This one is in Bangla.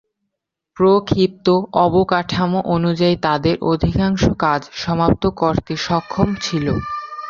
প্রক্ষিপ্ত অবকাঠামো অনুযায়ী তাদের অধিকাংশ কাজ সমাপ্ত করতে সক্ষম ছিল।